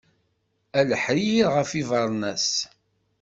A leḥrir ɣef yibernas.